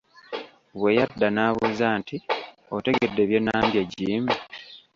Bwe yadda n'abuuza nti Otegedde bye nnambye Jim?